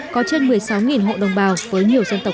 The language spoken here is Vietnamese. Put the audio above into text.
có trên một mươi sáu hộ đồng bào với nhiều dân tộc